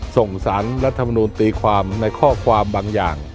ส่งสารรัฐมนุนตีความในข้อความบางอย่าง